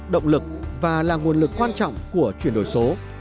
động lực và là nguồn lực quan trọng của chuyển đổi số